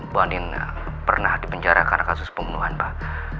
bu anim pernah dipenjara karena kasus pembunuhan pak